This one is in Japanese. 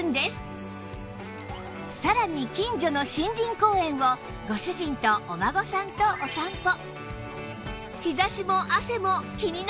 さらに近所の森林公園をご主人とお孫さんとお散歩